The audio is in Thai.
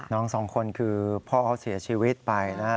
น้องสองคนคือพ่อเขาเสียชีวิตไปนะฮะ